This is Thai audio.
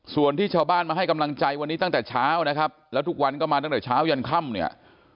ส่วนที่ชาวบ้านมาให้กำลังใจวันนี้ตั้งแต่เช้านะครับแล้วทุกวันก็มาตั้งแต่เช้ายันค่ำเนี่ย